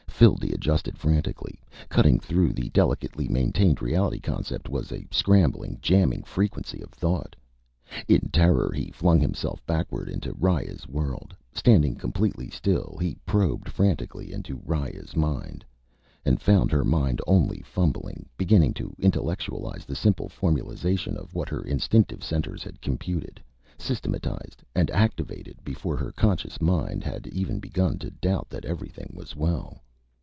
Phildee adjusted frantically. Cutting through the delicately maintained reality concept was a scrambling, jamming frequency of thought. In terror, he flung himself backward into Riya's world. Standing completely still, he probed frantically into Riya's mind. And found her mind only fumblingly beginning to intellectualize the simple formulization of what her instinctive centers had computed, systematized, and activated before her conscious mind had even begun to doubt that everything was well.